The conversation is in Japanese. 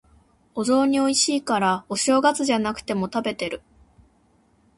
お雑煮美味しいから、お正月じゃなくても食べてる。